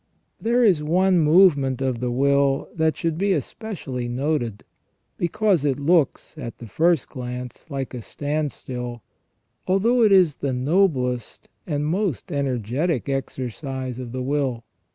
There is one movement of the will that should be especially noted, because it looks, at the first glance, like a standstill, although it is the noblest and most energetic exercise of the will.